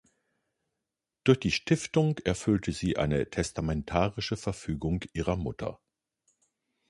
Durch die Stiftung erfüllte sie eine testamentarische Verfügung ihrer Mutter.